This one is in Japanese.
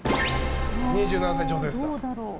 ２７歳女性です。